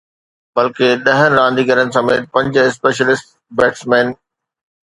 بلڪه ڏهن رانديگرن سميت پنج اسپيشلسٽ بيٽسمين